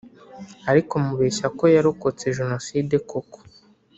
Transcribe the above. ariko amubeshya ko yarokotse Jenoside koko